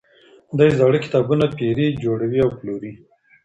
دی زاړه کتابونه پيري، جوړوي او پلوري.